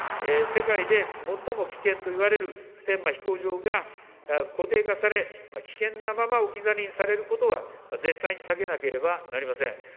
世界で最も危険と言われる普天間飛行場が固定化され、危険なまま置き去りにされることは絶対に避けなければなりません。